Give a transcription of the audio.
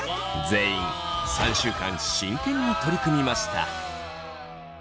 全員３週間真剣に取り組みました。